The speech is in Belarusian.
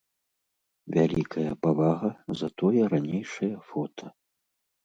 Вялікая павага за тое ранейшае фота.